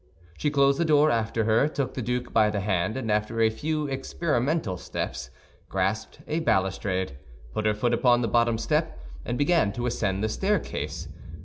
She closed the door after her, took the duke by the hand, and after a few experimental steps, grasped a balustrade, put her foot upon the bottom step, and began to ascend the staircase.